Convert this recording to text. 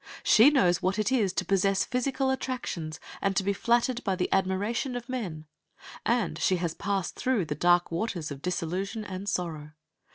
She knows what it is to possess physical attractions, and to be flattered by the admiration of men, and she has passed through the dark waters of disillusion and sorrow.